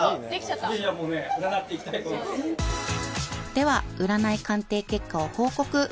［では占い鑑定結果を報告］